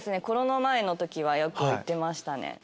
コロナ前の時はよく行ってましたね。